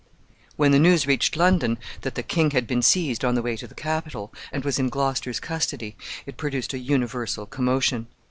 When the news reached London that the king had been seized on the way to the capital, and was in Gloucester's custody, it produced a universal commotion.